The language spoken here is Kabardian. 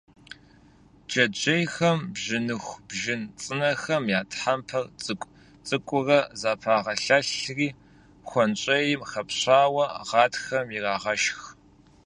Джэджьейхэм бжьыныху, бжьын цӀынэхэм я тхьэмпэр цӀыкӀу-цӀыкӀуурэ зэпагъэлъэлъри, хуэнщӀейм хэпщауэ гъатхэм ирагъэшх.